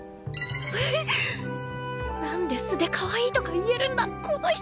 なんで素でかわいいとか言えるんだこの人！